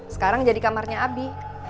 sekarang jadi kamarnya abi